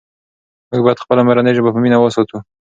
موږ باید خپله مورنۍ ژبه په مینه وساتو.